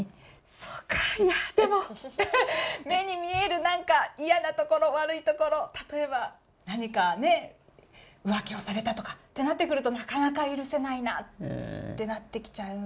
そうか、いや、でも、目に見えるなんか、嫌なところ、悪いところ、例えば何か、ねえ、浮気をされたとかってなってくると、なかなか許せないなってなってきちゃいます。